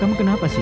kamu kenapa sih